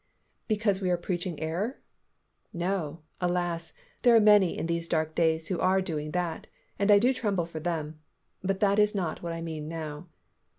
Because we are preaching error? No, alas, there are many in these dark days who are doing that, and I do tremble for them; but that is not what I mean now.